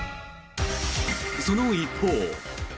その一方。